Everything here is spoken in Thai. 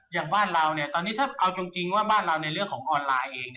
อย่างบ้านเราตอนนี้ถ้าเอาจริงว่าบ้านเราในเรื่องของออนไลน์เอง